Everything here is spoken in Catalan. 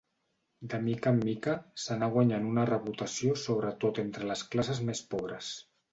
De mica en mica s'anà guanyant una reputació sobretot entre les classes més pobres.